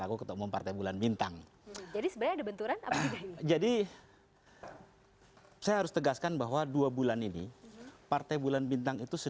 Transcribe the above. apalagi melakukan ribah tentang yusril